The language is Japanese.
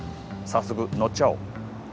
早速乗っちゃおう。